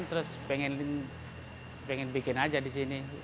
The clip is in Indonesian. terus pengen bikin aja di sini